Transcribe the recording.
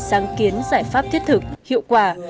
sáng kiến giải pháp thiết thực hiệu quả